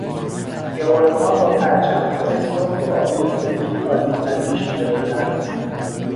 خیابانها با پرچمهای سرخ و آبی و سفید آذینبندی شده بودند.